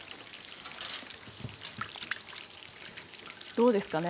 どうですかね？